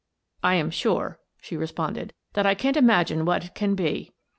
"lam sure," she responded, " that I can't imag ine what it can be."